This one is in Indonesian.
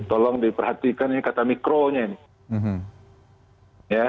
tolong diperhatikan ini kata mikronya nih